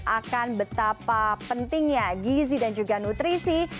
akan betapa pentingnya gizi dan juga nutrisi